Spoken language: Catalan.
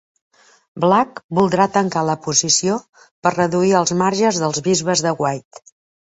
Black voldrà tancar la posició per reduir el marge dels bisbes de White.